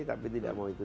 tapi tidak mau ikut ikut